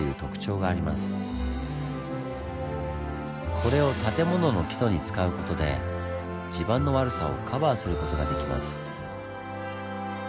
これを建物の基礎に使う事で地盤の悪さをカバーする事ができます。